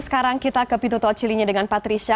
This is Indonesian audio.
sekarang kita ke pintu tol cilinyi dengan patricia